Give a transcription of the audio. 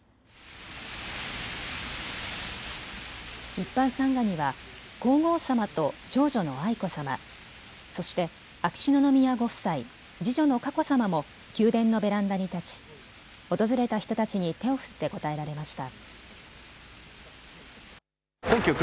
一般参賀には皇后さまと長女の愛子さま、そして秋篠宮ご夫妻、次女の佳子さまも宮殿のベランダに立ち訪れた人たちに手を振って応えられました。